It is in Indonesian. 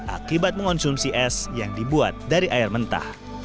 akibat mengonsumsi es yang dibuat dari air mentah